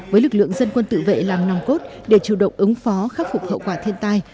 với lực lượng dân quân tự vệ làm nòng cốt để chủ động ứng phó khắc phục hậu quả thiên tai